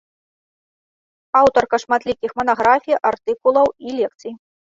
Аўтарка шматлікіх манаграфій, артыкулаў і лекцый.